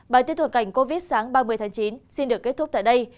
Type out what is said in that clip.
bài tiết thuật cảnh covid sáng ba mươi tháng chín xin được kết thúc tại đây